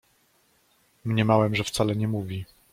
Mniemałem, że wcale nie mówi.